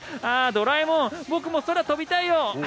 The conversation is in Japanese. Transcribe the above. ドラえもん、僕も空飛びたいよ。